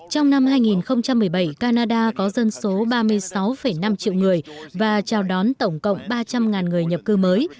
trong năm hai nghìn một mươi bảy canada có dân số ba mươi sáu năm triệu người và chào đón tổng cộng ba trăm linh người nhập cư mới